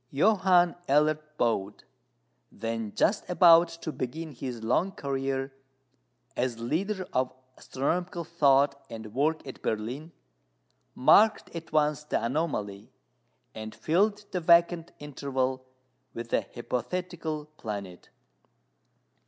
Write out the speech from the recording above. Johann Elert Bode, then just about to begin his long career as leader of astronomical thought and work at Berlin, marked at once the anomaly, and filled the vacant interval with a hypothetical planet.